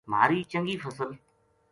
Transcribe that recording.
مھاری چنگی فصل